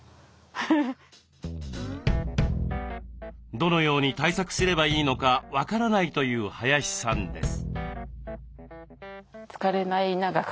どのように対策すればいいのか分からないという林さんです。